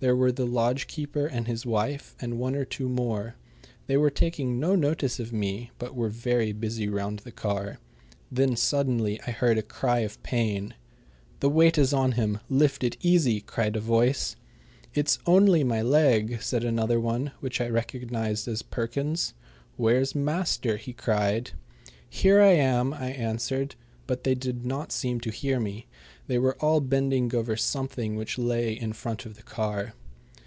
There were the lodge keeper and his wife, and one or two more. They were taking no notice of me, but were very busy round the car. Then suddenly I heard a cry of pain. "The weight is on him. Lift it easy," cried a voice. "It's only my leg!" said another one, which I recognized as Perkins's. "Where's master?" he cried. "Here I am," I answered, but they did not seem to hear me. They were all bending over something which lay in front of the car.